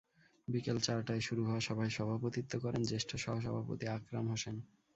বিকেল চারটায় শুরু হওয়া সভায় সভাপতিত্ব করেন জ্যেষ্ঠ সহসভাপতি আকরাম হোসেন।